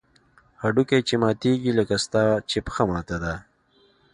هډوکى چې ماتېږي لکه ستا پښه چې ماته ده.